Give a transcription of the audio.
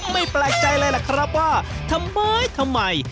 แปลกใจเลยล่ะครับว่าทำไมทำไม